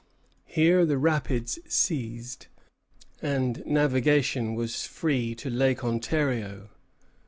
Here the rapids ceased, and navigation was free to Lake Ontario.